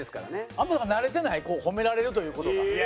あんまり慣れてないこう褒められるという事が。